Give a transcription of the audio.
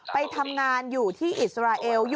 ไปทำงานอยู่ที่อิสราเอล